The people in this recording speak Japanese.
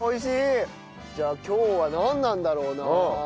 じゃあ今日はなんなんだろうな？